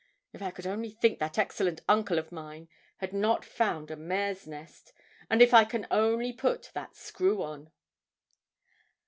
If I could only think that excellent uncle of mine had not found a mare's nest! And if I can only put that screw on!'